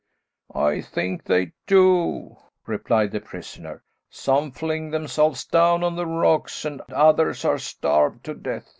"I think they do," replied the prisoner. "Some fling themselves down on the rocks, and others are starved to death.